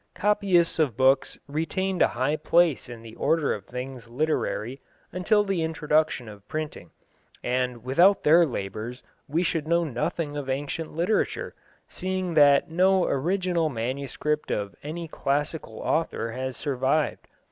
Copyists of books retained a high place in the order of things literary until the introduction of printing, and without their labours we should know nothing of ancient literature, seeing that no original manuscript of any classical author has survived.